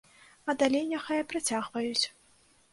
А далей няхай працягваюць.